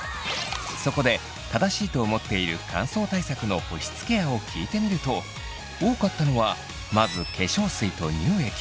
そこで正しいと思っている乾燥対策の保湿ケアを聞いてみると多かったのはまず化粧水と乳液。